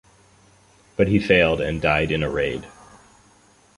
But he failed and died in a raid.